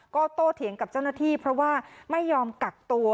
ก็โตเถียงกับเจ้าหน้าที่เพราะว่าไม่ยอมกักตัว